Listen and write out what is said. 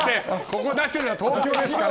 ここに出してるのは東京ですから。